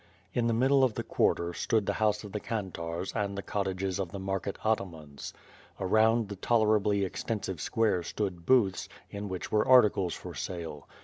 In the middle of the quarter, stood the house of the kantarz and the cottages of the market atamans. Around the tolerably extensive square stood booths, in which were articles for sale.